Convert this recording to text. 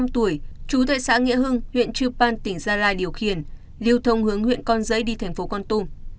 trú tại xã nghĩa hưng huyện trưu pan tỉnh gia lai điều khiển liêu thông hướng huyện con giấy đi thành phố con tôn